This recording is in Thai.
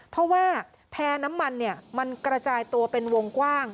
เพราะว่าแพร่น้ำมันมันกระจายตัวเป็นวงกว้าง